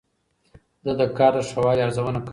ده د کار د ښه والي ارزونه کوله.